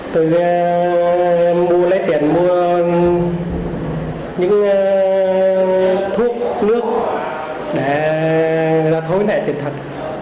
tôi mua lấy tiền mua những thuốc nước để thối nẻ tiền thật